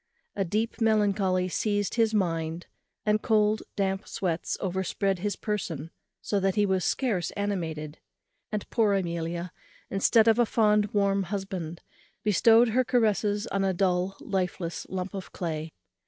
A deep melancholy seized his mind, and cold damp sweats overspread his person, so that he was scarce animated; and poor Amelia, instead of a fond warm husband, bestowed her caresses on a dull lifeless lump of clay.